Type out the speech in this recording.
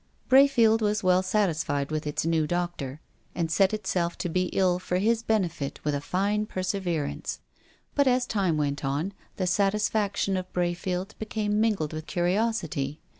Brayfield was well satisfied with its new doctor, and set itself to be ill for his benefit with a fine perseverance. But, as time went on, the satisfac tion of Brayfield became mingled with curiosity.